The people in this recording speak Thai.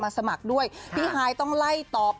ตอนนี้ไปฟังพี่หายอภพรกันหน่อยค่ะแซวเล่นจนได้เรื่องจ้า